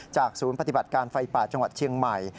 ศูนย์ปฏิบัติการไฟป่าจังหวัดเชียงใหม่